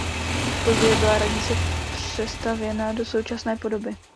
Později byla radnice přestavěna do současné podoby.